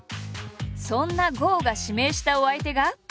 そんな郷が指名したお相手が。